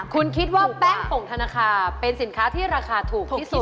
คุณคิดว่าแป้งปงธนาคารเป็นสินค้าที่ราคาถูกที่สุด